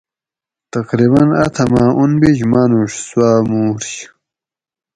تقریباً اتھماۤ انبِیش مانوڛ سوآۤ مُورش